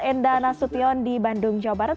enda nasution di bandung jawa barat